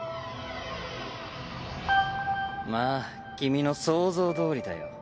まあ君の想像どおりだよ。